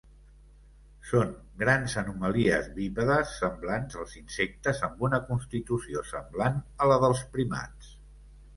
Són grans anomalies bípedes semblants als insectes amb una constitució semblant a la dels primats.